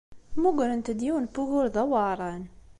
Mmugrent-d yiwen n wugur d aweɛṛan.